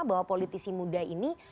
bahwa politisi muda ini